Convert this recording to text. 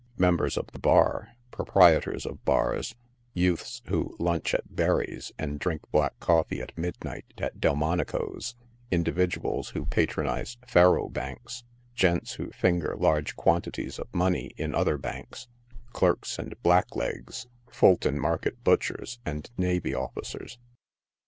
members of the bar, proprietors of bars, youths who lunch at Berry's and drink black coffee at mid night at Delmonieo's, individuals who patronize faro banks, gents who finger large quantities of money in other banks, clerks and blacklegs, Fulton market butchers and navy officers.